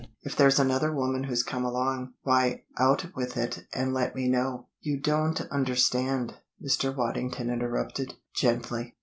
If there's another woman who's come along, why, out with it and let me know?" "You don't understand," Mr. Waddington interrupted, gently.